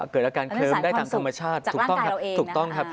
เกิดอาการเคลิ้มได้ตามธรรมชาติจากร่างกายเราเองนะครับ